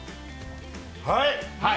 はい！